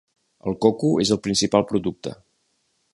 El coco és el principal producte.